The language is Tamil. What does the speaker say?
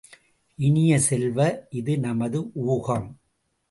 இனிய செல்வ, இது நமது ஊகம்.